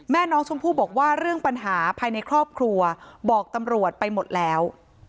แม่น้องชมพู่บอกว่าเรื่องปัญหาภายในครอบครัวบอกตำรวจไปหมดแล้ว